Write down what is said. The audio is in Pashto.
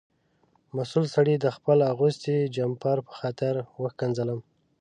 مسؤل سړي د خپل اغوستي جمپر په خاطر وښکنځلم.